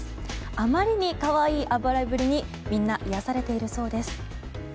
あまりに可愛いあばれぶりにみんな癒やされているそうです。